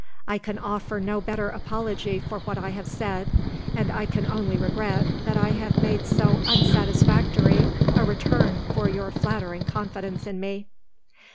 I can offer no better apology for what I have said; and I can only regret that I have made so unsatisfactory a return for your flattering confidence in me."